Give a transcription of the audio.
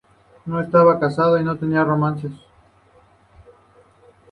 No estaba casado y no tenía romances.